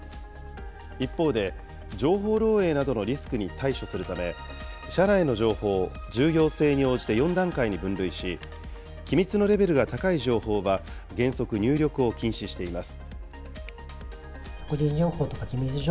一方で、情報漏えいなどのリスクに対処するため、社内の情報を重要性に応じて４段階に分類し、機密のレベルが高い情報は、原則、入力を禁止しています。